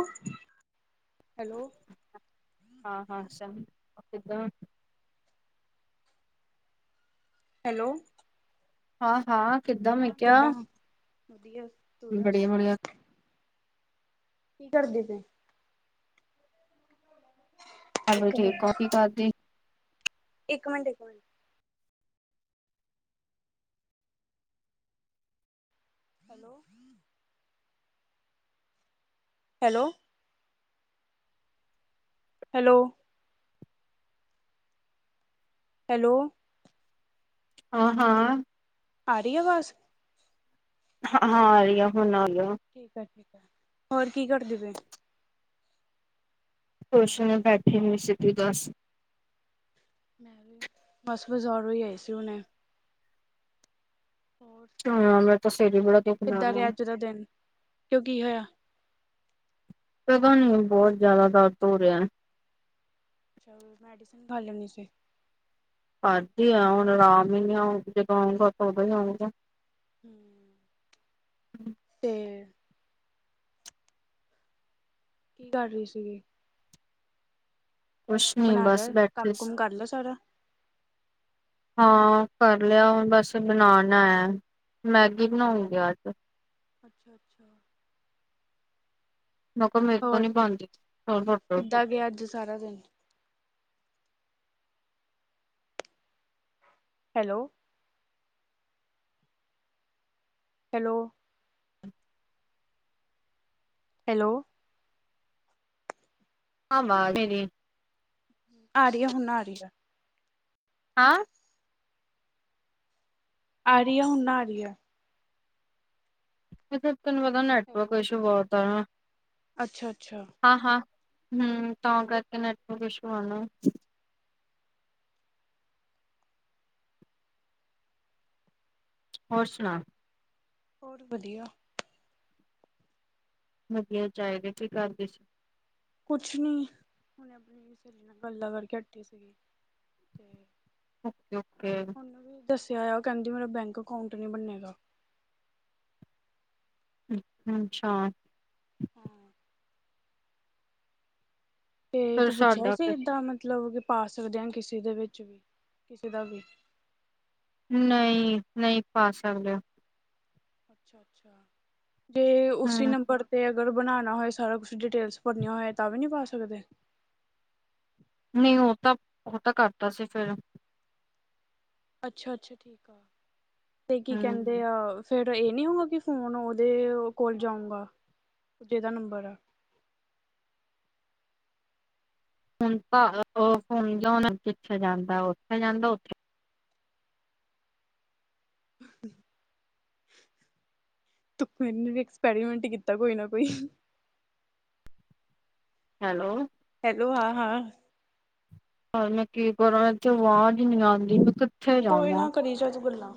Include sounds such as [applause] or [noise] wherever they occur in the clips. ਹਾਂ। ਹਾਂ ਹਾਂ ਸ਼ਦ ਹੈਲੋ। ਹਾਂ ਹਾਂ ਕਿੱਦਾਂ ਮੈਂ ਹਾਂ ਕਿਹਾ ਕਿੱਦਾਂ ਆ ਵਧੀਆ। ਤੂੰ ਦੱਸ ਬੜੀਆ ਬੜੀਆ ਕੀ ਕਰਦੇ ਪਏ ਇੱਕ ਮਿੰਟ [inaudible] ਇੱਕ ਮਿੰਟ ਇੱਕ minute hello. Hello. Hello hello ਹਾਂ-ਹਾਂ ਆ ਰਹੀ, ਆਵਾਜ਼। ਹਾਂ, ਆਰੀ ਹੁਣ ਆ ਆ ਠੀਕ ਆ ਠੀਕ ਆ, ਹੋਰ ਕੀ ਕਰਦੇ ਪਏ। ਕੁੱਛ ਨੀ ਬੈਠੀ ਹੋਈ ਸੀ ਤੂੰ ਦੱਸ। ਮੈਂ ਵੀ, ਬਸ ਬਜ਼ਾਰੋ ਹੀ ਆਈ ਸੀ ਹੁਣੇ। ਹੋਰ ਹਾਂ ਮੈਂ ਕਿੱਦਾਂ ਰਿਹਾ ਅੱਜ ਦਾ ਦਿਨ, ਕਿਉਂ ਕੀ ਹੋਇਆ। ਪਤਾ ਨੀ ਹੁਣ ਬਹੁਤ ਜ਼ਿਆਦਾ ਦਰਦ ਹੋ ਰਿਹਾ। ਚ ਮੈਡੀਸਨ, ਖਾ ਲੈਣੀ ਸੀ [unintelligible] ਆ ਹੁਣ ਆਰਾਮ ਈ ਨੀ ਆਉਂਗਾ ਜਦੋਂ ਆਊਂਗਾ ਤਾਂ ਉਦੋਂ ਹੀ ਆਊਂਗਾ। ਹੂੰ, ਤੇ ਕੀ ਕਰ, ਰਹੀ ਸੀਗੀ ਕੁਛ ਨੀ ਬਣਾ ਲੈ, ਬਸ ਬੈਠੇ ਕੰਮ ਸੀ ਕੁਮ ਕਰ ਲਿਆ ਸਾਰਾ। ਹਾਂ, ਕਰ ਲਿਆ ਹੁਣ ਬਸ ਬਣਾਣਾ। ਮੈਗੀ ਬਣਾਉਂਗੀ ਅੱਜ। ਅੱਛਾ-ਅੱਛਾ, ਮੈਂ ਕਿਹਾ ਮੇਰੇ ਤੋਂ ਨੀ ਬਣਦੀ [unintelligible] ਕਿੱਦਾਂ ਗਿਆ ਅੱਜ ਸਾਰਾ ਦਿਨ ਹੈਲੋ ਹੈਲੋ ਹੈਲੋ ਹਾਂ ਆਵਾਜ਼ ਆ ਰੀ ਆ, ਹੁਣ ਆ ਰੀ ਆ। ਹਾਂ ਆ ਰੀ ਆ, ਹੁਣ ਆ ਰੀ ਆ। ਤੁਹਾਨੂੰ ਪਤਾ ਨੈਟਵਰਕ ਇਸ਼ੂ ਬਹੁਤ ਆ। ਅੱਛਾ-ਅੱਛਾ। ਹਾਂ-ਹਾਂ। ਹੂੰ, ਤਾਂ ਕਰਕੇ ਨੈਟਵਰਕ ਇਸ਼ੂ ਆ ਨਾ। ਹੋਰ ਸੁਣਾ ਹੋਰ, ਵਧੀਆ। ਵਧੀਆ ਚਾਹੀਦਾ ਕੀ ਕਰਦੇ ਸੀ। ਕੁਛ ਨੀ, ਉਹੁਨੇ ਆਪਣੀ ਸਹੇਲੀ ਨਾਲ ਗੱਲਾਂ ਕਰਕੇ ਹਟੀ ਸੀਗੀ ਤੇ ਓਕੇ, ਓਕੇ। ਉਹਨੂੰ ਵੀ ਦੱਸਿਆ ਹੋਇਆ ਉਹ ਕਹਿੰਦੀ ਮੇਰਾ ਬੈਂਕ ਅਕਾਊਂਟ ਨੀ ਬਣੇਗਾ। ਅ, ਅੱਛਾ। [unintelligible] ਤੇ ਫਿਰ ਤੂੰ ਪੁੱਛਿਆ ਸਾਡਾ ਸੀ ਇਦਾਂ ਮਤਲਬ। ਪਾ ਸਕਦੇ ਆ ਕਿਸੇ ਦੇ ਵਿੱਚ ਵੀ, ਕਿਸੇ ਦਾ ਵੀ ਨਈ, ਨਈ ਪਾ ਸਕਦੇ। ਅੱਛਾ-ਅੱਛਾ, ਜੇ ਉਸੀ ਹੂੰ ਨੰਬਰ ਤੇ ਅਗਰ ਬਣਾਣਾ ਹੋਏ, ਸਾਰਾ ਕੁਛ ਡਿਟੇਲਸ ਭਰਨੀਆਂ ਹੋ ਤਾਂ ਵੀ ਨੀ ਪਾ ਸਕਦੇ। ਨਹੀਂ ਉਹ ਤਾਂ, ਉਹ ਤਾਂ ਕਰਤਾ ਸੀ ਫਿਰ। ਅੱਛਾ ਅੱਛਾ ਠੀਕ ਆ, ਤੇ ਕੀ ਕਹਿੰਦੇ ਆ ਫੇਿਰ ਇਹ ਨੀ ਹੋਊਗਾ ਕਿ ਫੋਨ ਉਹਦੇ ਕੋਲ ਜਾਊਗਾ, ਜਿਹਦਾ ਨੰਬਰ ਆ। ਹੁਣ ਤਾਂ ਉਹ ਹੁਣਿੱਥੇ ਜਾਂਦਾ, ਉੱਥੇ ਜਾਂਦਾ ਉਥੇ ਤੂ, ਮੈਨੂ ਵੀ ਐਕਸਪੈਰੀਮੈਂਟ ਕੀਤਾ ਕੋਈ ਨਾ ਕੋਈ। ਹੈਲੋ, ਹੈਲੋ ਹਾਂ-ਹਾਂ, ਪਰ ਮੈਂ ਕੀ ਕਰਾਂ ਮੈਂ ਇੱਥੇ ਆਵਾਜ਼ ਨੀ ਆਦੀ ਮੈਂ ਕਿੱਥੇ ਕੋਈ ਜਾਵਾਂ ਨਾ ਕਰੀ ਜਾਓ ਜੀ ਗੱਲਾਂ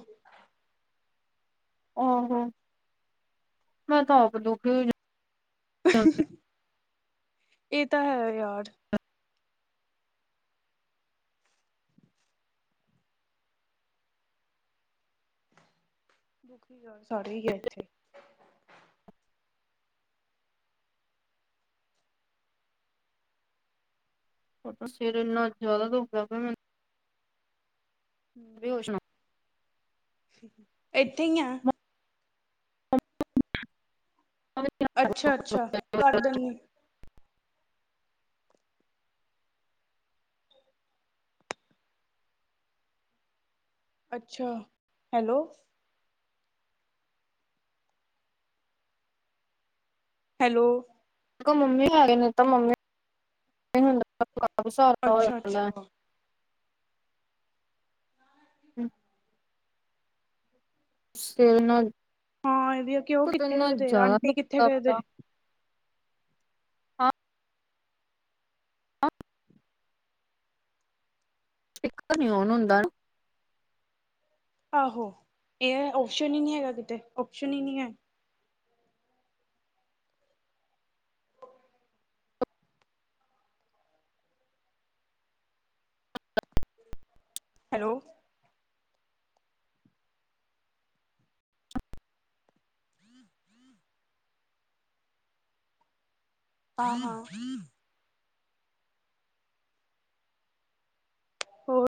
ਆਹੋ ਮੈਂ ਤਾਂ ਆਪ ਦੁਖੀ ਹੋ ਇਹ ਤਾਂ ਹੈ ਯਾਰ, ਦੁਖੀ ਸਾਰੇ ਹੀ ਹੈ ਇੱਥੇ, ਫਟ ਸਿਰ ਇੰਨਾ ਜ਼ਿਆਦਾ ਦੁੱਖ ਦਾ ਪਿਆ ਮੈਨੂੰ ਬੇਹੋਸ਼ ਨਾ ਇਥੇ ਹੀ ਆ। ਅੱਛਾ-ਅੱਛਾ ਕਰਦੋ ਗੀ ਅੱਛਾ ਹੈਲੋ, ਹੈਲੋ, ਦੇਖੋ ਮੰਮੀ ਹੈਗੇ ਨੇ ਤਾਂ ਮੰਮੀ ਹੁੰ, ਅੱਛਾ [unintelligible] ਅੱਛਾ ਹੂੰ, ਸਵੇਰ ਨਾਲ ਹਾਂ ਇਹਦੀ ਕਿ ਉਹ ਕਿੱਥੇ ਗਏ ਤੇ ਆਂਟੀ ਜ਼ਿਆਦਾ ਕਿੱਥੇ ਗਏ ਤੇ ਹਾਂ, [unintelligible] ਸਪੀਕਰ ਨੀ ਓਨ ਹੁੰਦਾ ਨਾ। ਆਹੋ ਇਹ ਔਪਸ਼ਨ ਹੀ ਨੀ ਹੈਗਾ ਕਿਤੇ ਔਪਸ਼ਨ ਹੀ ਨੀ ਹੈ ਹੈਲੋ ਹਾ- ਹਾ, ਹੋਰ,